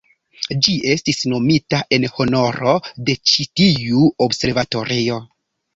Ĝi estis nomita en honoro de ĉi-tiu observatorio.